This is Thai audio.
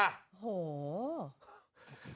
โห